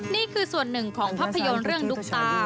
นี่คือส่วนหนึ่งของภาพยนตร์เรื่องดุ๊กตา